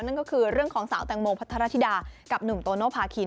นั่นก็คือเรื่องของสาวแตงโมพัทรธิดากับหนุ่มโตโนภาคิน